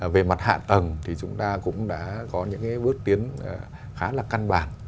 về mặt hạ tầng thì chúng ta cũng đã có những bước tiến khá là căn bản